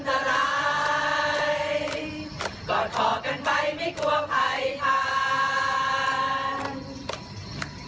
กอดคอกันไปไม่กลัวภัยทัน